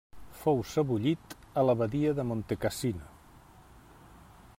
Fou sebollit a l'abadia de Montecassino.